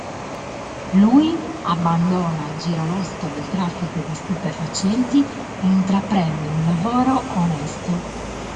Lui abbandona il giro losco del traffico di stupefacenti e intraprende un lavoro onesto.